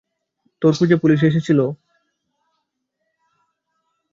তোর খোঁজে পুলিশ এসেছিলো?